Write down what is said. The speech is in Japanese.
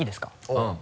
うん。